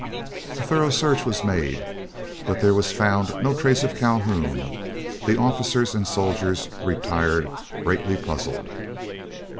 A thorough search was made, but there was found no trace of Calhoun. The officers and soldiers retired greatly puzzled.